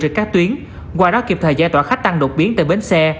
trên các tuyến qua đó kịp thời giải tỏa khách tăng đột biến tại bến xe